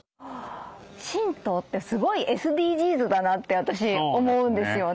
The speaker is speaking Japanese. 神道ってすごいＳＤＧｓだなって私思うんですよね。